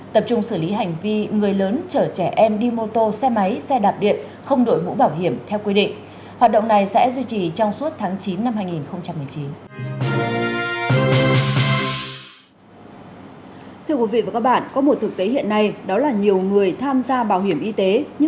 tập trung xử lý hành vi người lớn chở trẻ em đi mô tô xe máy xe đạp điện không đội mũ bảo hiểm theo quy định